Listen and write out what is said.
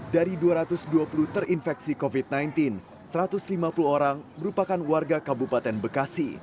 dari dua ratus dua puluh terinfeksi covid sembilan belas satu ratus lima puluh orang merupakan warga kabupaten bekasi